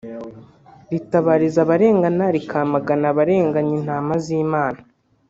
ritabariza abarengana rikamagana abarenganya Intama z’Imana